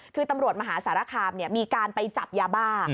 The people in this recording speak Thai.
คือตำรวจมหาสารคามมีการไปจับยาบ้า